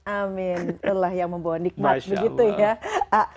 amin itulah yang membawa nikmat begitu ya